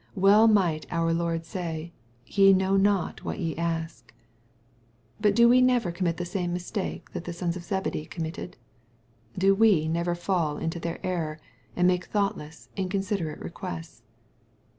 WeU might our Lord say, " Ye know not what ye ask," But do we never commit the same mistake that the sons of Zebedee committed ? Do we never fall into their error, and make thoughtless, inconsiderate requests